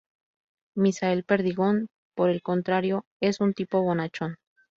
Misael Perdigón, por el contrario, es un tipo bonachón.